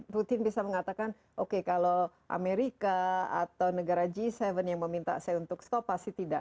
putin bisa mengatakan oke kalau amerika atau negara g tujuh yang meminta saya untuk stop pasti tidak